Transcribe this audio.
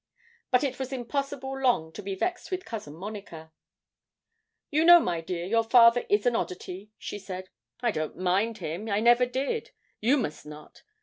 But it was impossible long to be vexed with Cousin Monica. 'You know, my dear, your father is an oddity,' she said. 'I don't mind him I never did. You must not.